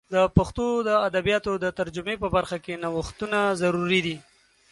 د پښتو د ادبیاتو د ترجمې په برخه کې نوښتونه ضروري دي.